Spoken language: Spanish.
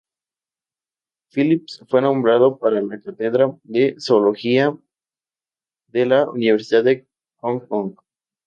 Phillips fue nombrado para la Cátedra de Zoología de la Universidad de Hong Kong.